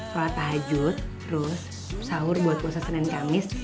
sholat tahajud terus sahur buat puasa senin kamis